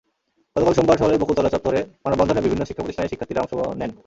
গতকাল সোমবার শহরের বকুলতলা চত্বরে মানববন্ধনে বিভিন্ন শিক্ষাপ্রতিষ্ঠানের শিক্ষার্থীরা অংশ নেন।